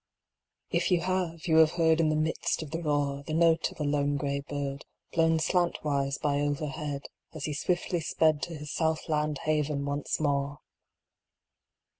If you have, you have heard In the midst of the roar, The note of a lone gray bird, Blown slantwise by overhead As he swiftly sped To his south land haven once more